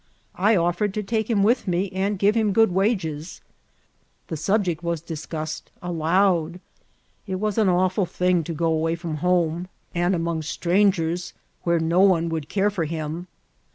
I offered to take him with me and give him good wages. The subject was duKSUSSed aloud. It was an awful thing to go away from bame. ft94 INCIDENTS or TRATEL. and among strangers, where no one would care for him.